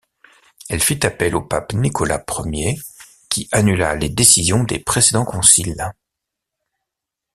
Elle fit appel au pape Nicolas I qui annula les décisions des précédents conciles.